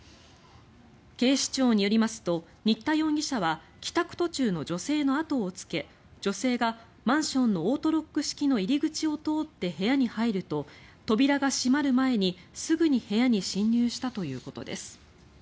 警視庁によりますと新田容疑者は帰宅途中の女性の後をつけ女性がマンションのオートロック式の入り口を通って部屋に入ると扉が閉まる前にすぐに部屋に侵入したということです。